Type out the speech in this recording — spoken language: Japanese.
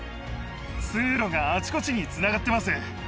通路があちこちにつながってます。